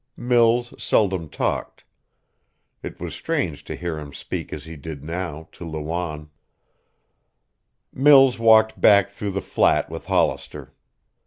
Mills seldom talked. It was strange to hear him speak as he did now, to Lawanne. Mills walked back through the flat with Hollister.